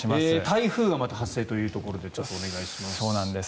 台風がまた発生ということでお願いします。